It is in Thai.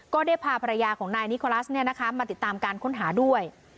ก็ได้พาภรรยาของนายนิคอลาซเนี่ยนะคะมาติดตามการข้นหาด้วย